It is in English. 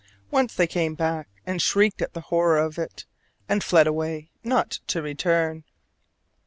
Once they came back, and shrieked at the horror of it all, and fled away not to return.